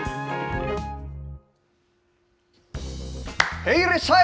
へい、いらっしゃい。